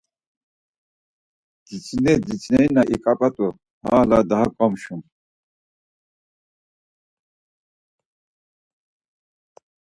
Ditsineri ditsineri na ixap̌at̆u hala daha komşun.